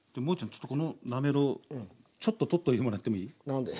ちょっとこのなめろうちょっと取っといてもらってもいい？何で？